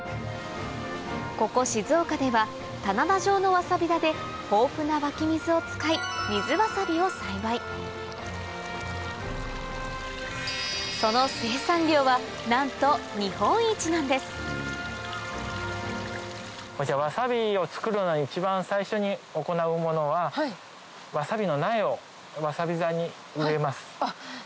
ここ静岡では棚田状のわさび田で豊富な湧き水を使い水わさびを栽培その生産量はなんと日本一なんですわさびを作るのに一番最初に行うものはわさび沢に。